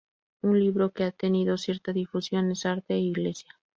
Un libro que ha tenido cierta difusión es "Arte e Iglesia".